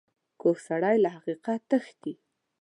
کوږ سړی له حقیقت تښتي